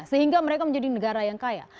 sehingga mereka menjadi negara yang kaya